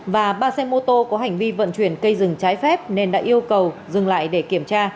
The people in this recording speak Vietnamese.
và ba xe mô tô có hành vi vận chuyển cây rừng trái phép nên đã yêu cầu dừng lại để kiểm tra